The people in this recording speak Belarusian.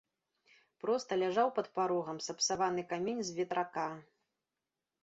Проста ляжаў пад парогам сапсаваны камень з ветрака.